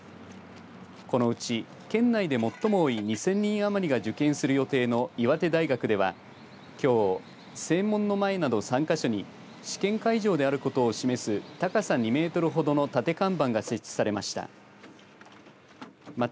このうち県内で最も多い２０００人余りが受験する予定の岩手大学では、きょう正門の前など３か所に試験会場であることを示す高さ２メートルほどの立て看板が設置されました。